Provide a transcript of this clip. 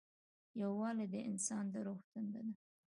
یووالی د انسان د روح تنده ده.